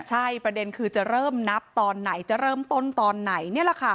ใช่ประเด็นคือจะเริ่มนับตอนไหนจะเริ่มต้นตอนไหนนี่แหละค่ะ